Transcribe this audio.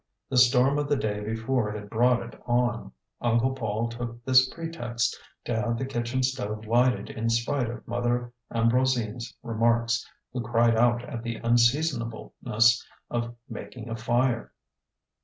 The storm of the day before had brought it on. Uncle Paul took this pretext to have the kitchen stove lighted in spite of Mother AmbroisineŌĆÖs remarks, who cried out at the unseasonableness of making a fire.